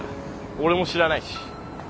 俺も知らないし。